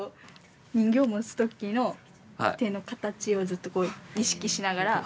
人形持つ時の手の形をずっと意識しながら。